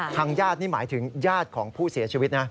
ทางญาตินี่หมายถึงญาติของผู้เสียชีวิตนะ